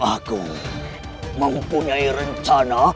aku ingin menjaga rozakmu